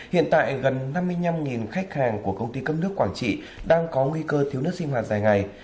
hiện tại gần năm mươi năm khách hàng của công ty cấp nước quảng trị đang có nguy cơ thiếu nước sinh hoạt dài ngày